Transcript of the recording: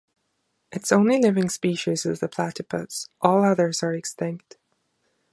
Its only living species is the platypus; all others are extinct.